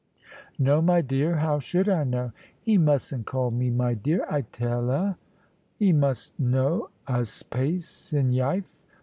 "No, my dear; how should I know?" "'E mustn't call me 'my dear,' I tell 'a. 'E must know 'a's pace in yife.